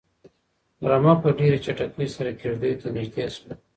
رمه په ډېرې چټکۍ سره کيږديو ته نږدې شوه.